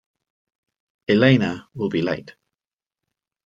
Elena will be late.